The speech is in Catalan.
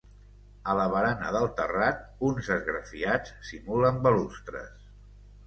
A la barana del terrat uns esgrafiats simulen balustres.